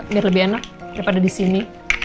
biar lebih enak daripada di sini